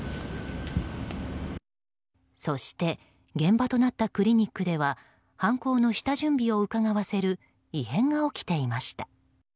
そして現場となったクリニックでは犯行の下準備をうかがわせる異変が起きていました。